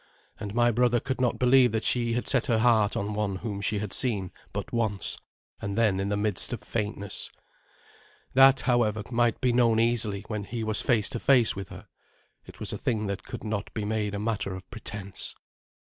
And my brother could not believe that she had set her heart on one whom she had but seen once, and then in the midst of faintness. That, however, might be known easily when he was face to face with her. It was a thing that could not be made a matter of pretence.